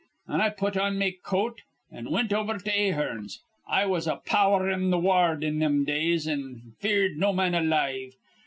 An' I put on me coat, an' wint over to Ahearn's. I was a power in th' wa ard in thim days, an' feared no man alive.